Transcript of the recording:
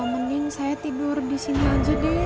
mending saya tidur disini aja deh